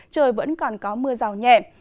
trời vẫn còn có mưa rào nhẹ